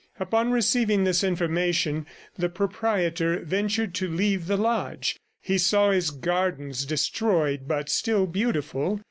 Upon receiving this information, the proprietor ventured to leave the lodge. He saw his gardens destroyed, but still beautiful.